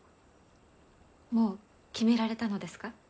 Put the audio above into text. もう決められたのですか？